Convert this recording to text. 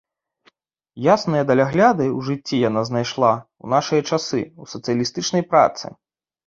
Ясныя далягляды ў жыцці яна знайшла ў нашы часы ў сацыялістычнай працы.